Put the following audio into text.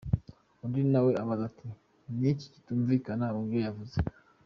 Undi nawe abaza ati: "Ni iki kitumvikana mubyo yavuze?".